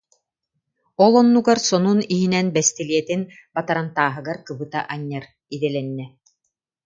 Ол оннугар сонун иһинэн бэстилиэтин батарантааһыгар кыбыта анньар идэлэннэ